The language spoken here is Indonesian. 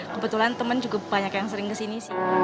kebetulan teman juga banyak yang sering ke sini